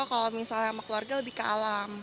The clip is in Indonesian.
kalau misalnya sama keluarga lebih ke alam